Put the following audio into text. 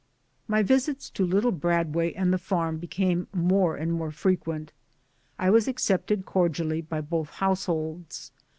My visits to little Bradway and the farm became more and more frequent. I was accepted cordially by both households.